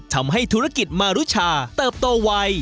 ทำให้ธุรกิจมารุชาเติบโตไว